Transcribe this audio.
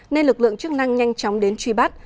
nên lực lượng chức năng nhanh chóng đến truy bắt